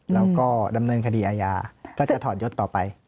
แล้วก็ดำเนินคดีอาญาก็จะถอดยศต่อไป